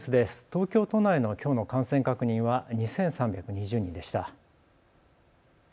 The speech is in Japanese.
東京都内のきょうの感染確認は２３２０人でした。